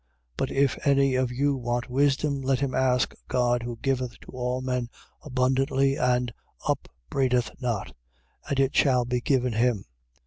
1:5. But if any of you want wisdom, let him ask of God who giveth to all men abundantly and upbraideth not. And it shall be given him.